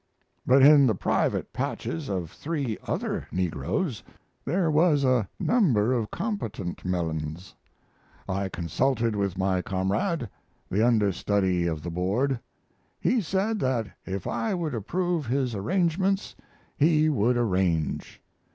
But in the private patches of three other negroes there was a number of competent melons. I consulted with my comrade, the understudy of the board. He said that if I would approve his arrangements he would arrange.